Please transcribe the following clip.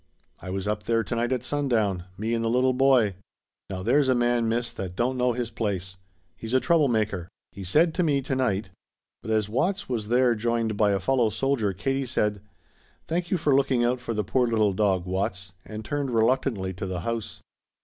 I was up there to night at sundown me and the little boy. Now there's a man, Miss, that don't know his place. He's a trouble maker. He said to me tonight " But as Watts was there joined by a fellow soldier Katie said: "Thank you for looking out for the poor little dog, Watts," and turned reluctantly to the house.